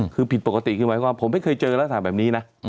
คือผิดปกติขึ้นไว้กว่าผมไม่เคยเจอระดับแบบนี้นะ